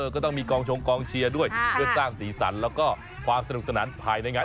ก็ต้องมีกองชงกองเชียร์ด้วยเพื่อสร้างสีสันแล้วก็ความสนุกสนานภายในงาน